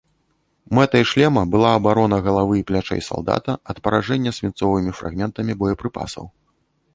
Мэтай шлема была абарона галавы і плячэй салдата ад паражэння свінцовымі фрагментамі боепрыпасаў.